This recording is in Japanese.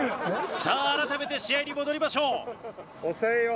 さあ改めて試合に戻りましょう。